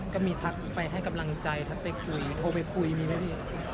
ก็มีทักไปให้กำลังใจทักไปคุยโทรไปคุยมีไหมพี่